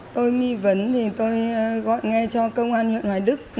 tôi nghi vấn thì tôi gọi ngay cho công an huyện hoài đức